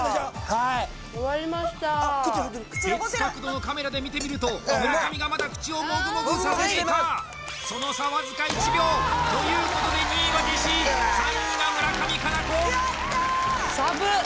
はい終わりました別角度のカメラで見てみると村上がまだ口をもぐもぐさせていたその差わずか１秒ということで２位はジェシー３位は村上佳菜子さぶっ！